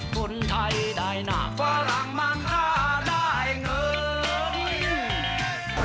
คนไทยได้หนักฝรั่งมันค่าได้เงิน